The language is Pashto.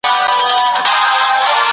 حق پالونکي تل د حق ملاتړ کوی.